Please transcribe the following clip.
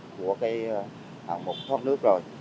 của cái hạng một thoát nước rồi